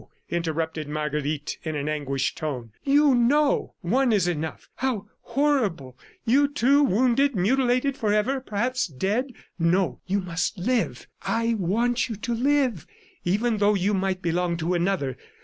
interrupted Marguerite in an anguished tone. "You, no! One is enough. ... How horrible! You, too, wounded, mutilated forever, perhaps dead! ... No, you must live. I want you to live, even though you might belong to another.